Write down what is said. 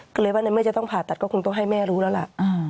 ก็เลยว่าในเมื่อจะต้องผ่าตัดก็คงต้องให้แม่รู้แล้วล่ะ